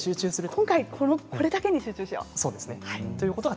今回はこれだけに集中しよう。